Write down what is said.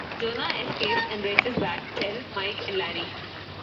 Jonah escapes and races back to tell Mike and Larry.